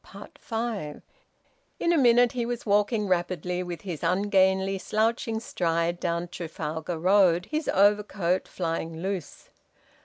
Five. In a minute he was walking rapidly, with his ungainly, slouching stride, down Trafalgar Road, his overcoat flying loose.